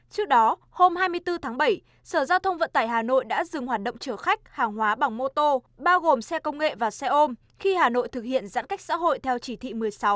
trước đó hôm hai mươi bốn tháng bảy sở giao thông vận tải hà nội đã dừng hoạt động chở khách hàng hóa bằng mô tô bao gồm xe công nghệ và xe ôm khi hà nội thực hiện giãn cách xã hội theo chỉ thị một mươi sáu